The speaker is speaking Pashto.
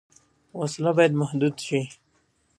وسله باید محدود شي